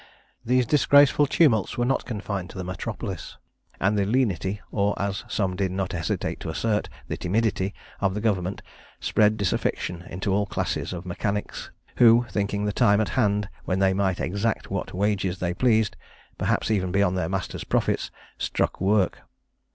These disgraceful tumults were not confined to the metropolis; and the lenity, or, as some did not hesitate to assert, the timidity of the government, spread disaffection into all classes of mechanics, who, thinking the time at hand when they might exact what wages they pleased, perhaps even beyond their masters' profits, struck work.